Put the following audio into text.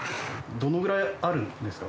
どのぐらいあるんですか？